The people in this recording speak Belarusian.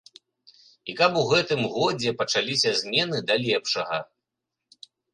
І каб у гэтым годзе пачаліся змены да лепшага.